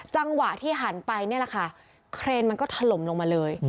จังหวะที่หันไปนี่แหละค่ะเครนมันก็ถล่มลงมาเลย